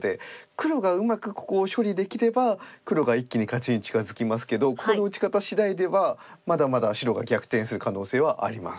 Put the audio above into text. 黒がうまくここを処理できれば黒が一気に勝ちに近づきますけどここの打ち方しだいではまだまだ白が逆転する可能性はあります。